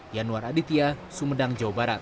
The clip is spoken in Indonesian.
yanwar aditya sumedang jawa barat